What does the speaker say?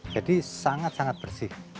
jadi sangat sangat bersih